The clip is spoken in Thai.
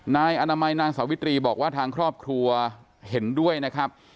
นายอนามัยนางสาวิตรีบอกว่าทางครอบครัวเห็นด้วยนะครับ